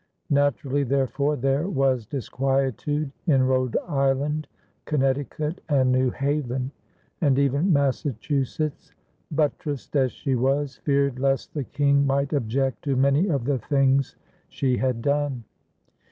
Naturally, therefore, there was disquietude in Rhode Island, Connecticut, and New Haven; and even Massachusetts, buttressed as she was, feared lest the King might object to many of the things she had done.